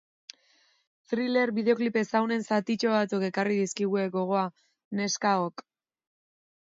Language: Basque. Thriller bideoklip ezagunaren zatitxo batzuk ekarri dizkigute gogora neska hauek.